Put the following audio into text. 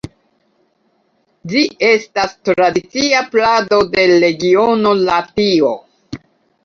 Ĝi estas tradicia plado de regiono Latio.